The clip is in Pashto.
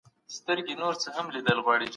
د زده کوونکي لپاره ولي د انټرنیټ لاسرسی مهم دی؟